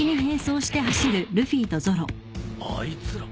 あいつら。